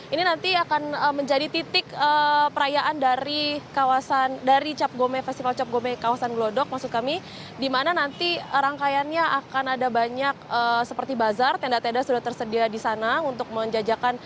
ini nanti akan menjadi titik perayaan dari festival cap gome kawasan glodok dimana nanti rangkaiannya akan ada banyak seperti bazar tenda tenda sudah tersedia di sana